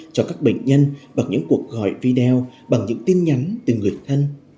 cho các bệnh nhân bằng những cuộc gọi video bằng những tin nhắn từ người thân